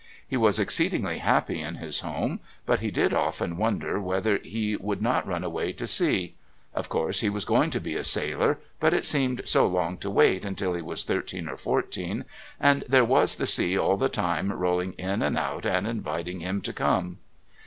He was exceedingly happy in his home, but he did often wonder whether he would not run away to sea; of course, he was going to be a sailor, but it seemed so long to wait until he was thirteen or fourteen, and there was the sea all the time rolling in and out and inviting him to come.